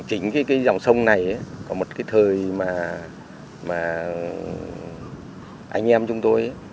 chính cái dòng sông này có một cái thời mà anh em chúng tôi